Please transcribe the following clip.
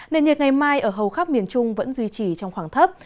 nền nhiệt ngày mai ở hầu khắp miền trung vẫn duy trì trong khoảng thấp